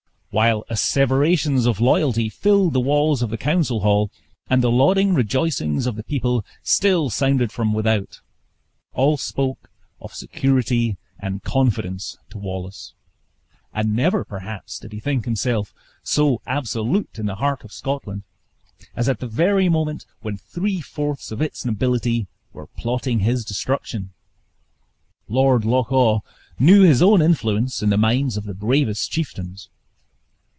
While asseverations of loyalty filled the walls of the council hall, and the lauding rejoicings of the people still sounded from without, all spoke of security and confidence to Wallace; and never, perhaps, did he think himself so absolute in the heart of Scotland as at the very moment when three fourths of its nobility were plotting his destruction. Lord Loch awe knew his own influence in the minds of the bravest chieftains.